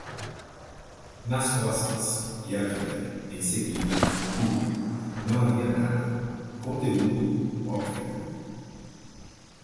nas costas, e havia, em seguida, tudo, não havia nada, conteúdo, óbvio